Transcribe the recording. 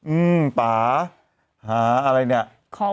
อืมป่าหาอะไรเนี่ย